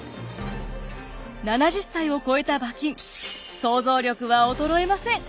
７０歳を超えた馬琴創造力は衰えません。